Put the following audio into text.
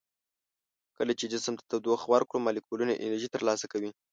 کله چې جسم ته تودوخه ورکړو مالیکولونه انرژي تر لاسه کوي.